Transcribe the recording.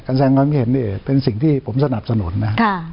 การแสดงความเห็นเป็นสิ่งที่ผมสนับสนุนนะค่ะ